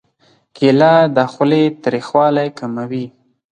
کېله د خولې تریخوالی کموي.